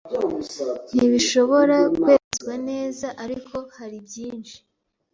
ntibishobora kwemezwa neza ariko hari byinshi